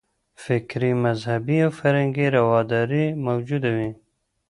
فکري، مذهبي او فرهنګي رواداري موجوده وي.